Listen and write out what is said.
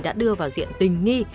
đã đưa vào diện tình nghi